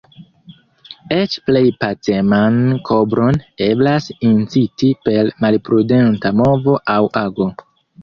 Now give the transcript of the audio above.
Eĉ plej paceman kobron eblas inciti per malprudenta movo aŭ ago.